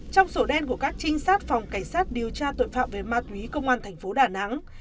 trong sổ đen của các trinh sát phòng cảnh sát điều tra tội phạm về ma túy công an thành phố đà nẵng